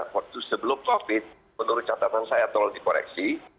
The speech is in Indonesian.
waktu sebelum covid menurut catatan saya telah diporeksi